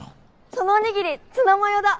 そのおにぎりツナマヨだ。